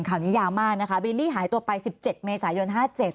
ข่าวนี้ยาวมากนะคะบิลลี่หายตัวไป๑๗เมษายน๕๗